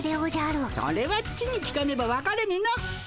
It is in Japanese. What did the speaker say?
それは父に聞かねばわからぬの。